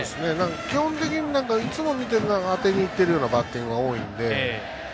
基本的にいつも見ていると当てにいってるようなバッティングが多いので。